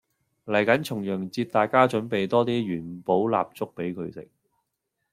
嚟緊重陽節大家準備多啲元寶蠟燭俾佢食